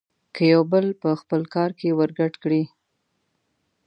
که يو بل په خپل کار کې ورګډ کړي.